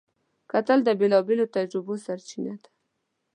کتل د بېلابېلو تجربو سرچینه ده